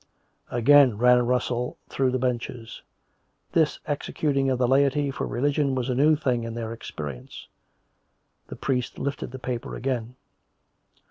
Again ran a rustle through the benches. This executing of the laity for religion was a new thing in their experience. The priest lifted the paper again.